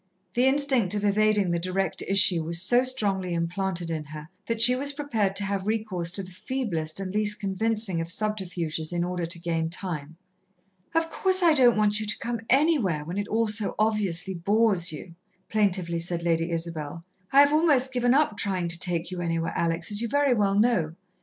The instinct of evading the direct issue was so strongly implanted in her, that she was prepared to have recourse to the feeblest and least convincing of subterfuges in order to gain time. "Of course, I don't want you to come anywhere when it all so obviously bores you," plaintively said Lady Isabel. "I have almost given up trying to take you anywhere, Alex, as you very well know.